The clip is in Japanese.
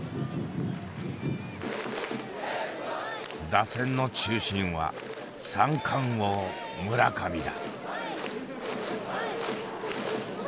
打線の中心は三冠王村上だ。